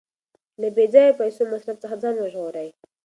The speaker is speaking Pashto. له بې ځایه پیسو مصرف څخه ځان وژغورئ.